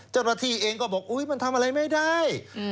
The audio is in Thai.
เจ้าหน้าที่เองก็บอกอุ๊ยมันทำอะไรไม่ได้